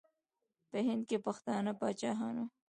په هند کې پښتانه پاچاهان وو.